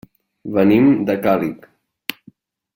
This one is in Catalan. Venim de Càlig.